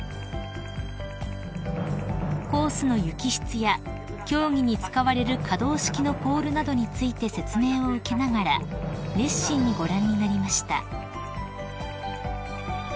［コースの雪質や競技に使われる可動式のポールなどについて説明を受けながら熱心にご覧になりました］